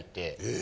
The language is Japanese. え。